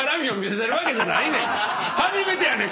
初めてやねん！